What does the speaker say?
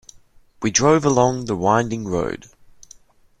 We drove along the winding road.